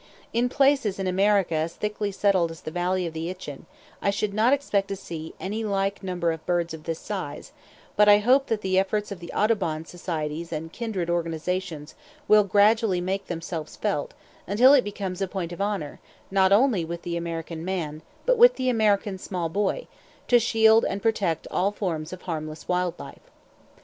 In places in America as thickly settled as the valley of the Itchen, I should not expect to see any like number of birds of this size; but I hope that the efforts of the Audubon societies and kindred organizations will gradually make themselves felt until it becomes a point of honor not only with the American man, but with the American small boy, to shield and protect all forms of harmless wild life.